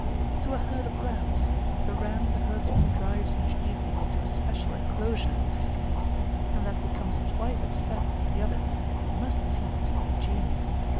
To a herd of rams, the ram the herdsman drives each evening into a special enclosure to feed and that becomes twice as fat as the others must seem to be a genius.